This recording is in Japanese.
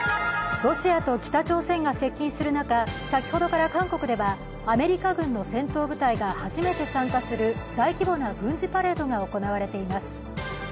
ロシアと北朝鮮が接近する中先ほどから韓国ではアメリカ軍の戦闘部隊が初めて参加する大規模な軍事パレードが行われています。